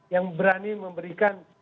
yang berani memberikan